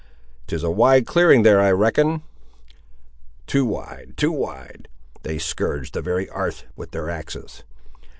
'Tis a wide clearing there, I reckon." "Too wide! too wide! They scourge the very 'arth with their axes.